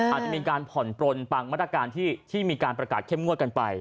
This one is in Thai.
อาจจะมีการผ่อนปลนปังมาตรการที่มีการประกาศเข้มงวดกันไป